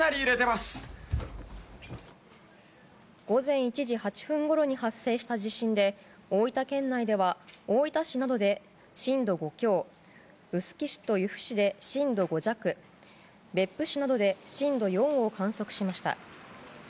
午前１時８分ごろに発生した地震で大分県内では大分市などで震度５強臼杵市と由布市で震度５弱別府市などで震度４を観測しました。